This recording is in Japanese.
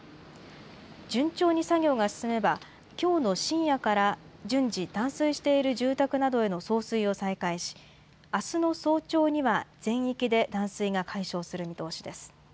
順調に作業が進めば、きょうの深夜から順次、断水している住宅などへの送水を再開し、あすの早朝には、全域で断水が解消する見通しです。